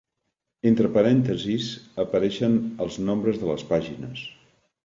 Entre parèntesis apareixen els nombres de les pàgines.